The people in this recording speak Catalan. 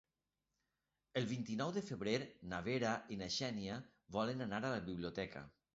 El vint-i-nou de febrer na Vera i na Xènia volen anar a la biblioteca.